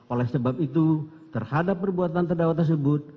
oleh sebab itu terhadap perbuatan terdakwa tersebut